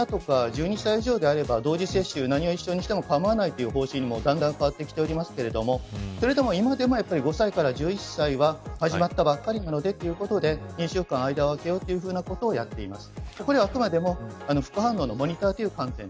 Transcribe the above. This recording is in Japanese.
海外では大人とか１２歳以上であれば、同時接種は何をしても構わないという方針にも変わってきていますが今でも５歳から１１歳は始まったばかりなのでということで、２週間をあけるということをやっています。